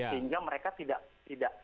sehingga mereka tidak